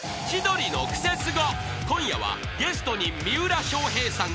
［今夜はゲストに三浦翔平さん。